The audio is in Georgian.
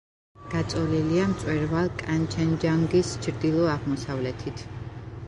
გაწოლილია მწვერვალ კანჩენჯანგის ჩრდილო-აღმოსავლეთით.